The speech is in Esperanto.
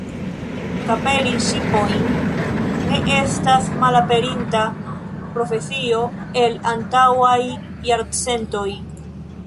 Kaperi ŝipojn ne estas malaperinta profesio el antaŭaj jarcentoj.